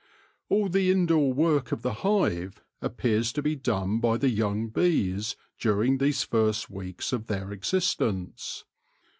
All the indoor work of the hive appears to be done by the young bees during these first weeks of their existence.